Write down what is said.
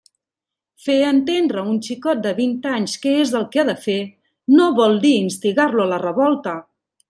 Fer entendre a un xicot de vint anys què és el que ha de fer no vol dir instigar-lo a la revolta!